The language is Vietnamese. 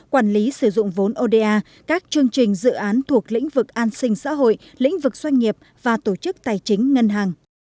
quản lý sử dụng vốn oda các chương trình dự án thuộc lĩnh vực an sinh xã hội lĩnh vực doanh nghiệp và tổ chức tài chính ngân hàng